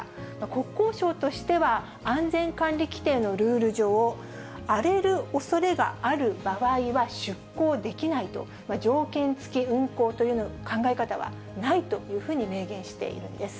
国交省としては安全管理規程のルール上、荒れるおそれがある場合は出航できないと、条件付き運航という考え方はないというふうに明言しているんです。